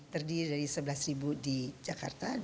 terdiri dari sebelas di jakarta